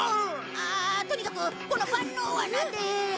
ああとにかくこの万能わなで。